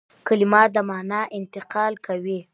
کلیمه د مانا انتقال کوي.